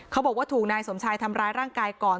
เขาบอกว่าถูกนายสมชายทำร้ายร่างกายก่อน